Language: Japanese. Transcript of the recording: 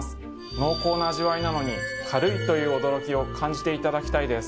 濃厚な味わいなのに軽いという驚きを感じていただきたいです。